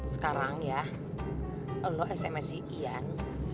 sekarang ya lo sms si ian